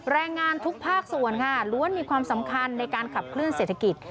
แรงงานทุกภาคส่วนค่ะล้วนมีความสำคัญในการขับเคลื่อเศรษฐกิจ